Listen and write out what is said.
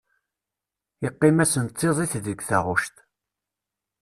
Yeqqim-asen d tiẓẓit deg taɣect.